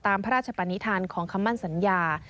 พระราชปนิษฐานของคำมั่นสัญญา